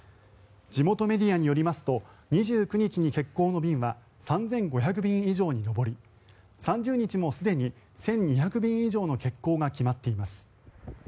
地元メディアによりますと２９日に欠航の便は３５００便以上に上り３０日もすでに１２００便以上の欠航が決まっています。